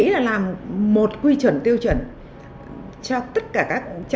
tôi nghĩ là làm một quy trần tiêu chuẩn cho tất cả các